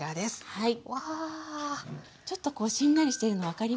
はい。